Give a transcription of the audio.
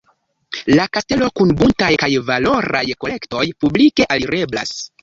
La kastelo kun buntaj kaj valoraj kolektoj publike alireblas.